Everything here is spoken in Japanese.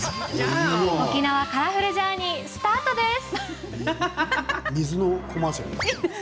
沖縄カラフルジャーニースタートです。